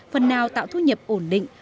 phần nào tạo thu nhập ổn định